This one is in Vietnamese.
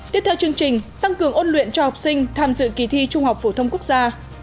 tiếp theo chương trình tăng cường ôn luyện cho học sinh tham dự kỳ thi trung học phổ thông quốc gia